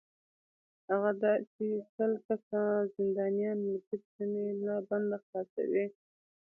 هغه دا چې سل کسه زندانیان ملګري به مې له بنده خلاصوې.